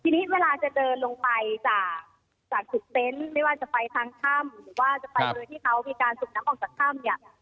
ทีนี้เวลาจะเดินลงไปจากจุดเต็นซ์ได้ว่าจะไปทั้งท่ำหรือว่าจะไปหรือที่เขามีการสุขน้ำของท่ำเนี่ย